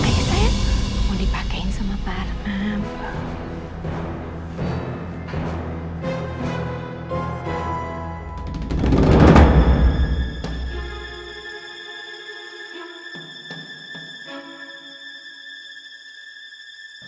oke sayang mau dipakein sama pak arman